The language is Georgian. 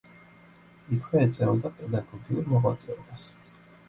იქვე ეწეოდა პედაგოგიურ მოღვაწეობას.